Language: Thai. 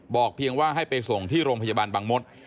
เพียงว่าให้ไปส่งที่โรงพยาบาลบางมศ